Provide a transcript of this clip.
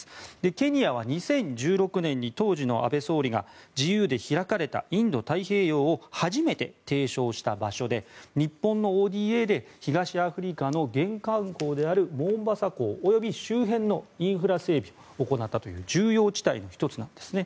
ケニアは２０１６年に当時の安倍総理が自由で開かれたインド太平洋を初めて提唱した場所で日本のＯＤＡで東アフリカの玄関港であるモンバサ港及び周辺のインフラ整備を行ったという重要地帯の１つなんですね。